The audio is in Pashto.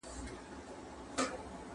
ماسومان باید په زوره لوستلو ته کښېنول نسي.